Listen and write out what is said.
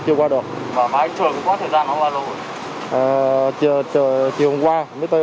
và mái trường cũng có thời gian không qua lâu rồi